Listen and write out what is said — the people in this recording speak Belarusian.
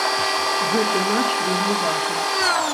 Гэты матч вельмі важны.